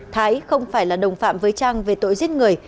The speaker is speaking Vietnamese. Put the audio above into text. thái không phải là đồng phạm với trang về tội giết người